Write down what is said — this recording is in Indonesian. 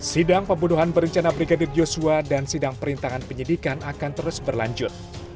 sidang pembunuhan berencana brigadir yosua dan sidang perintangan penyidikan akan terus berlanjut